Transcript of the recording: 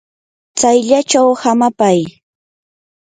tsayllachaw hamapay.